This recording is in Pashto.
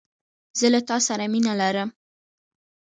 زه له تاسره مينه لرم